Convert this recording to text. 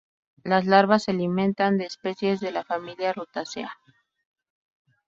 Las larvas se alimentan de especies de la familia Rutaceae.